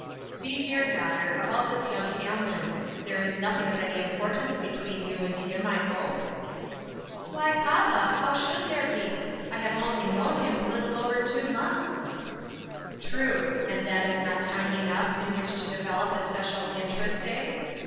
" See here, daughter, about this young Hamlin ; there is nothing of any importance between you and him, I hope ?"" Why, papa, how should there be ? I have only known him a little over two months." DRIFTING. ^I " True ; and that is not time enough in which to develop a special interest, eh